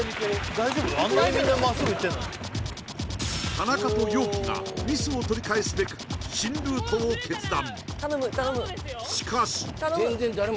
田中と陽希がミスを取り返すべく新ルートを決断